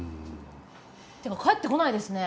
てか帰ってこないですね。